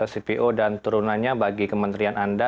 cpo dan turunannya bagi kementerian anda